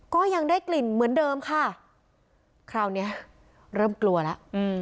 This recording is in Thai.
ก็ยังได้กลิ่นเหมือนเดิมค่ะคราวเนี้ยเริ่มกลัวแล้ว